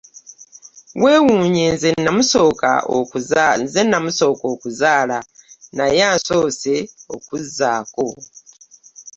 Weewuunye nze namusooka okuzaala naye ansoose okuzzaako.